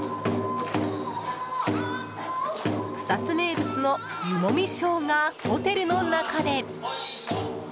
草津名物の湯もみショーがホテルの中で。